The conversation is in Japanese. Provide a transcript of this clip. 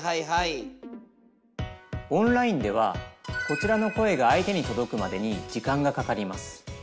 オンラインではこちらの声が相手に届くまでに時間がかかります。